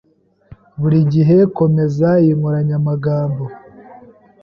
Buri gihe komeza iyi nkoranyamagambo.